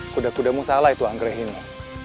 kuda kuda mu salah itu anggreh ini